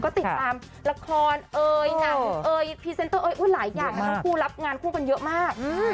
ก็ติดตามละครเหาะหนังพรีเซนเตอร์หลายอย่างรับงานข้องกันเยอะมาก